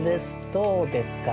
どうですか？